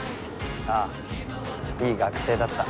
ああいい学生だった。